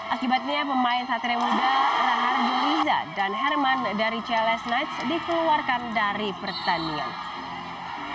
akibatnya pemain satria muda rahar juliza dan herman dari cls knights dikeluarkan dari pertandingan